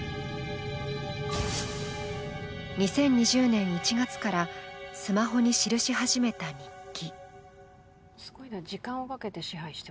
２０２０年１月からスマホに記し始めた日記。